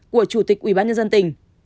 của chủ tịch ubnd tỉnh